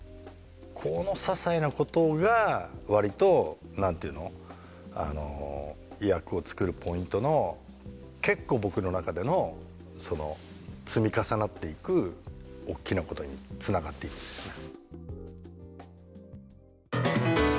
このささいなことが割と何て言うの役を作るポイントの結構僕の中での積み重なっていく大きなことにつながっていくんですよね。